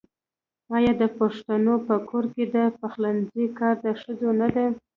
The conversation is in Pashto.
آیا د پښتنو په کور کې د پخلنځي کار د ښځو نه دی؟